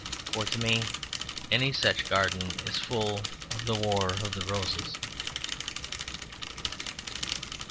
For to me any such garden is full of the wars of the roses.